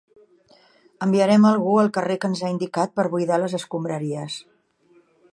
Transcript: Enviarem a algú al carrer que ens ha indicat per buidar les escombraries.